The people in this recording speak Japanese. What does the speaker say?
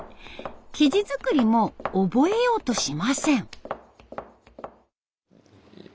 生地作りも覚えようとしません。